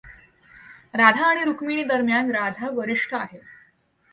राधा आणि रुक्मिणी दरम्यान, राधा वरिष्ठ आहे.